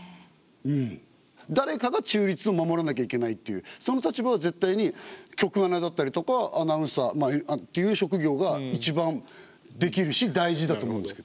誰かが中立を守らなきゃいけないっていうその立場は絶対に局アナだったりとかアナウンサーっていう職業が一番できるし大事だと思うんですけど。